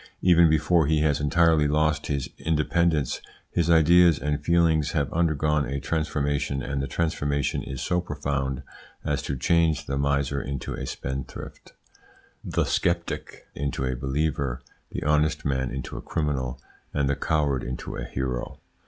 Even before he has entirely lost his independence, his ideas and feelings have undergone a transformation, and the transformation is so profound as to change the miser into a spendthrift, the sceptic into a believer, the honest man into a criminal, and the coward into a hero.